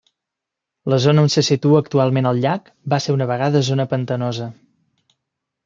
La zona on se situa actualment el llac, va ser una vegada zona pantanosa.